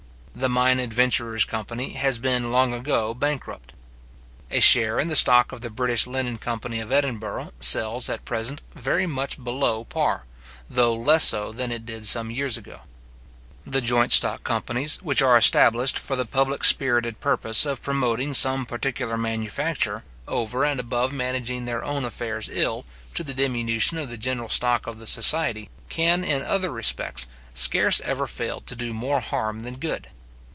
The mine adventurers company has been long ago bankrupt. A share in the stock of the British Linen company of Edinburgh sells, at present, very much below par, though less so than it did some years ago. The joint stock companies, which are established for the public spirited purpose of promoting some particular manufacture, over and above managing their own affairs ill, to the diminution of the general stock of the society, can, in other respects, scarce ever fail to do more harm than good.